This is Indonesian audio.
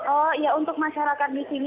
oh iya untuk masyarakat di sini